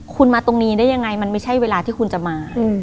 คุณมาตรงนี้ได้ยังไงมันไม่ใช่เวลาที่คุณจะมา